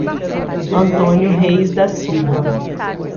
Antônio Reis da Silva